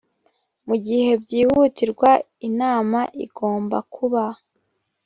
mu gihe byihutirwa inama igomba kuba.